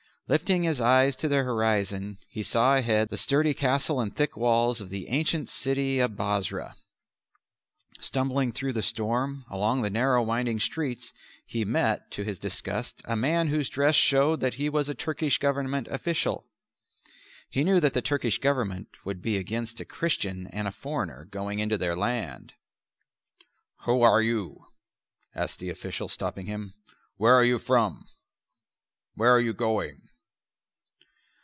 Lifting his eyes to the horizon he saw ahead the sturdy castle and thick walls of the ancient city of Bosra. Stumbling through the storm, along the narrow winding streets, he met, to his disgust, a man whose dress showed that he was a Turkish Government official. He knew that the Turkish Government would be against a Christian and a foreigner going into their land. "Who are you?" asked the official, stopping him. "Where are you from? Where are you going?"